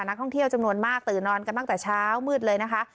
นักท่องเที่ยวจำนวนมากตื่นนอนกันตั้งแต่เช้ามืดเลยนะคะ